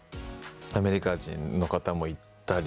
アメリカ人の方もいたりで。